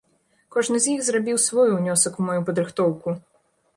Кожны з іх зрабіў свой унёсак у маю падрыхтоўку!